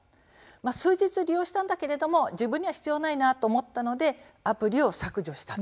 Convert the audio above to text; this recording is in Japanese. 数日、利用したけれども自分には必要ないと思ったのでアプリを削除した。